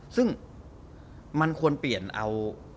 ซึ่งมันควรเปลี่ยนเอา